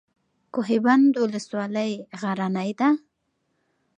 کوه بند ولسوالۍ غرنۍ ده؟